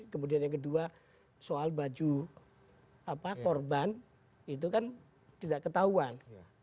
kemudian yang kedua soal baju korban itu kan tidak ketahuan